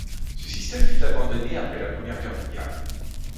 Ce système fut abandonné après la Première Guerre mondiale.